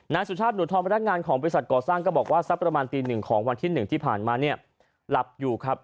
นางสุชาติหนุทอมรัฐงานของบริษัทก่อสร้างก็บอกว่าสักประมาณตี๑ของวันที่๑ที่ผ่านมาหลับอยู่ครับ